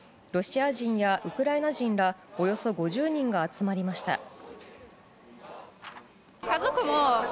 ロシア人やウクライナ人らおよそ５０人が集まりました。